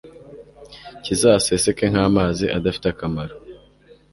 kizaseseke nk'amazi adafite akamaro